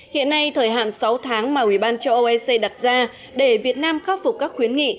hiện nay thời hạn sáu tháng mà ủy ban cho oec đặt ra để việt nam khắc phục các khuyến nghị